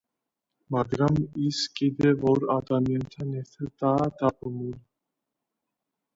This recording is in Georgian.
მაგრამ ის კიდევ ორ ადამიანთან ერთადაა დაბმული.